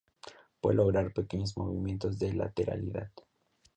Puede lograr pequeños movimientos de lateralidad.